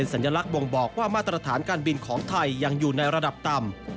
สัญลักษณ์บ่งบอกว่ามาตรฐานการบินของไทยยังอยู่ในระดับต่ำ